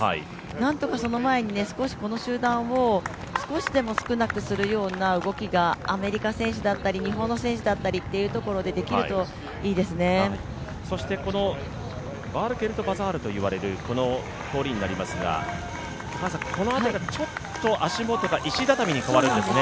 なんとかその前にこの集団を少しでも少なくするような動きがアメリカ選手だったり日本の選手だったりっていうところで、そしてこのヴァールケルト・バザールというこの通りになりますが、この辺り足元が石畳に変わるんですね。